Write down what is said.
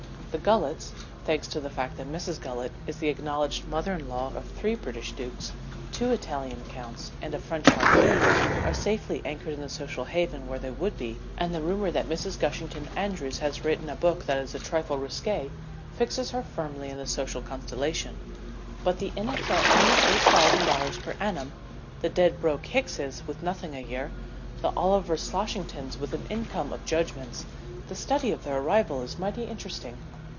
The Gullets, thanks to the fact that Mrs. Gullet is the acknowledged mother in law of three British dukes, two Italian counts, and a French marquis, are safely anchored in the social haven where they would be, and the rumor that Mrs. Gushington Andrews has written a book that is a trifle risque fixes her firmly in the social constellation but the Innitts with only eighty thousand dollars per annum, the Dedbroke Hickses with nothing a year, the Oliver Sloshingtons with an income of judgments, the study of their arrival is mighty interesting."